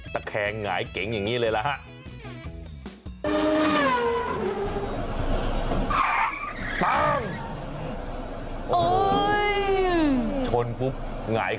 ตะแคงหงายเก๋งอย่างนี้เลยล่ะฮะ